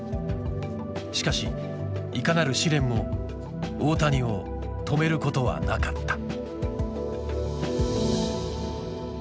しかしいかなる試練も大谷を止めることはなかった。